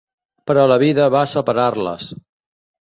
Però la vida va separar-les.